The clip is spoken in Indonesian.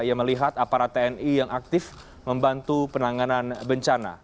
ia melihat aparat tni yang aktif membantu penanganan bencana